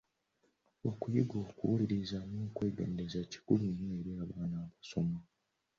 Okuyiga okuwulirirza n’obwegendereza kikulu nnyo eri abaana abasoma.